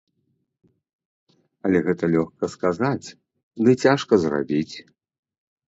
Але гэта лёгка сказаць, ды цяжка зрабіць!